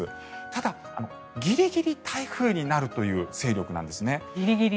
ただ、ギリギリ台風になるという勢力なんですね。